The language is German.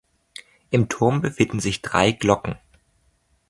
Im Turm befinden sich drei Glocken.